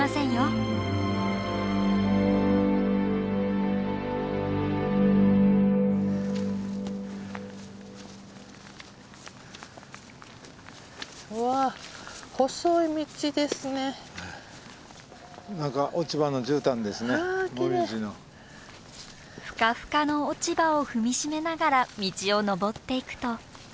ふかふかの落ち葉を踏み締めながら道を登っていくと。